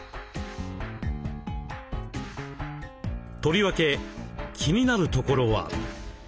とりわけ気になるところは。